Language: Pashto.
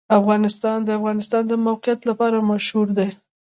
افغانستان د د افغانستان د موقعیت لپاره مشهور دی.